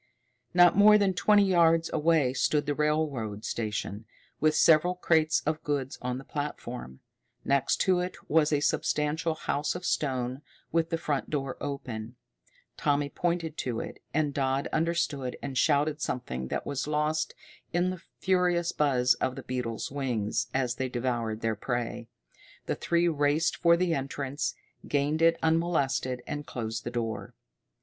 Not more than twenty yards away stood the railroad station, with several crates of goods on the platform. Next to it was a substantial house of stone, with the front door open. Tommy pointed to it, and Dodd understood and shouted something that was lost in the furious buzz of the beetles' wings as they devoured their prey. The three raced for the entrance, gained it unmolested, and closed the door.